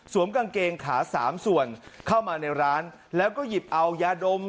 กางเกงขาสามส่วนเข้ามาในร้านแล้วก็หยิบเอายาดม